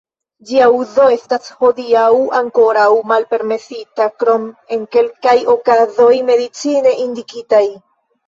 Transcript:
Ĝia uzo estas hodiaŭ ankoraŭ malpermesita krom en kelkaj okazoj medicine indikitaj.